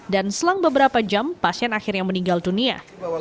dan selang beberapa jam pasien akhirnya meninggal dunia